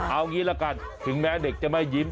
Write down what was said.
เอาอย่างนี้แล้วกันถึงแม้เด็กจะไม่ยิ้ม